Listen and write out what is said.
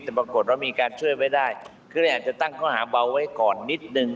แต่ปรากฏว่ามีการช่วยไว้ได้คือเนี่ยอาจจะตั้งข้อหาเบาไว้ก่อนนิดนึง